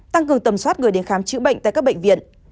tăng cường tầm soát người đến khám chữa bệnh tại các bệnh viện